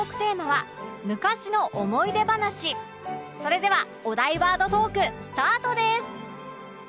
それではお題ワードトークスタートです